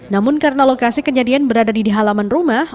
namun karena lokasi kenyadian berada di di halaman rumah